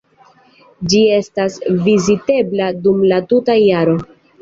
Ĝi estas vizitebla dum la tuta jaro.